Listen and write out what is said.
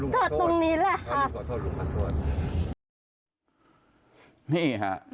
ก็ตรงนี้แหละครับขอโทษลุงขอโทษ